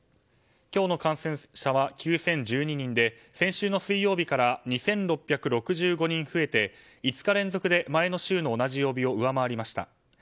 今日の感染者は９０１２人で先週の水曜日から２６６５人増えて５日連続で前の週の同じ曜日を上回りました。